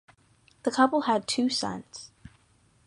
The couple had two sons.